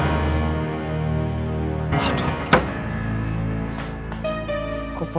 lengkaf avk gak